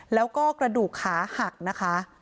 แล้วก็กระดูกขาหักนะคะ